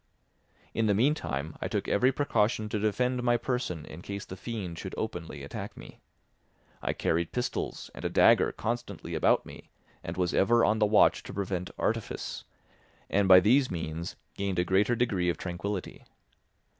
In the meantime I took every precaution to defend my person in case the fiend should openly attack me. I carried pistols and a dagger constantly about me and was ever on the watch to prevent artifice, and by these means gained a greater degree of tranquillity.